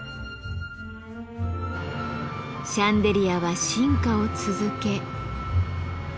シャンデリアは進化を続け。